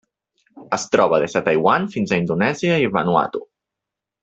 Es troba des de Taiwan fins a Indonèsia i Vanuatu.